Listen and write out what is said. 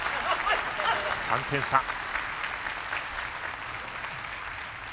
３点差。